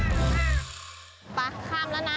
ไปข้ามแล้วนะ